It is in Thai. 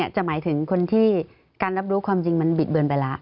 หมายถึงคนที่การรับรู้ความจริงมันบิดเบือนไปแล้ว